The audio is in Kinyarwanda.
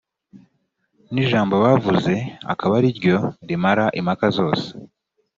n’ijambo bavuze akaba ari ryo rimara impaka zose